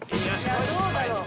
どうだろう？